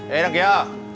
ê đằng kia